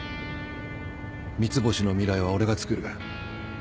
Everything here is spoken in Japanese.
三ツ星の未来は俺がつくる